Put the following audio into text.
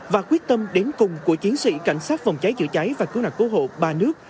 và quyết tâm đến cùng của chiến sĩ cảnh sát phòng cháy chữa cháy và cứu nạn cứu hộ ba nước